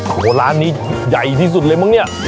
โอ้โหร้านนี้ใหญ่ที่สุดเลยมั้งเนี่ย